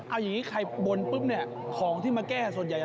เอาอย่างนี้ไข่โบรบินของที่มาแก้ก็ส่วนใหญ่